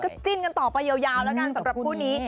ก็จิ้นกันต่อไปยาวแล้วกันสำหรับคู่นี้